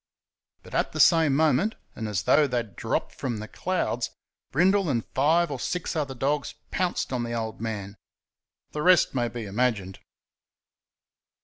But at the same moment, and, as though they had dropped from the clouds, Brindle and five or six other dogs pounced on the "old man." The rest may be imagined.